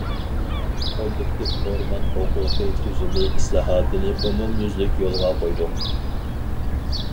كوللېكتىپ ئورمان ھوقۇقى تۈزۈمى ئىسلاھاتىنى ئومۇميۈزلۈك يولغا قويدۇق.